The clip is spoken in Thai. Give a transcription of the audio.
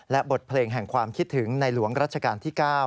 และบทเพลงแห่งความคิดถึงในหลวงรัชกาลที่๙